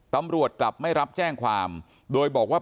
ตำรวจกลับไม่รับแจ้งความโดยบอกว่า